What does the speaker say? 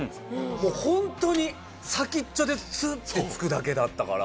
もうホントに先っちょでスッて突くだけだったから。